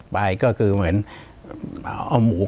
ปากกับภาคภูมิ